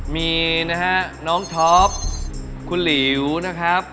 มีนะฮะน้องท็อปคุณหลิวนะครับ